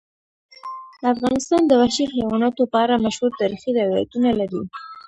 افغانستان د وحشي حیواناتو په اړه مشهور تاریخی روایتونه لري.